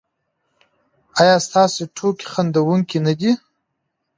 ایا ستاسو ټوکې خندونکې نه دي؟